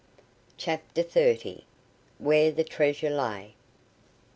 CHAPTER THIRTY. WHERE THE TREASURE LAY.